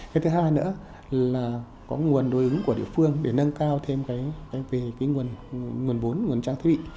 cái thứ hai nữa là có nguồn đối ứng của địa phương để nâng cao thêm nguồn vốn nguồn trang thiết bị